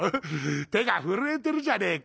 手が震えてるじゃねえか。